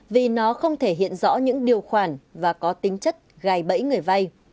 vì nó không thể hiện rõ những điều khoản và có tính chất gài bẫy người vay